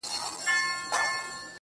زنگ وهلی زنځیر ورو ورو شرنگومه